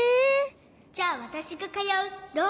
じゃあわたしがかようろう